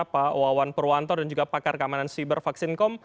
pak wawan purwanto dan juga pakar keamanan siber vaksin com